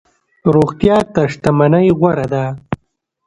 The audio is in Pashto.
روغتیا تر شتمنۍ غوره ده.